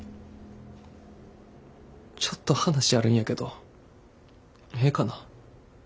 ちょっと話あるんやけどええかな？